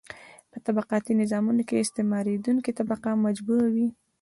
په طبقاتي نظامونو کې استثماریدونکې طبقه مجبوره وي.